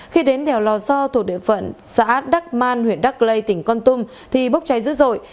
khi đến đèo lò so thuộc địa phận xã đắc man huyện đắc lây tỉnh con tum thì bốc cháy dữ dội